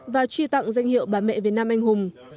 và truy tặng danh hiệu bà mẹ việt nam anh hùng